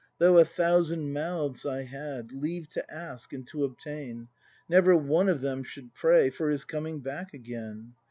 Though a thousand mouths I had, Leave to ask, and to obtain. Never one of them should pray For his coming back again.